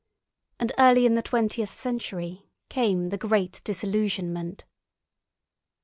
And early in the twentieth century came the great disillusionment.